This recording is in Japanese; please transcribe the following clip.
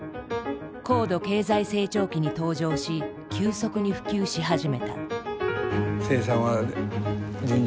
高度経済成長期に登場し急速に普及し始めた。